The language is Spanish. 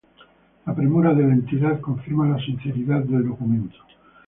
La premura de la entidad confirma la sinceridad del documento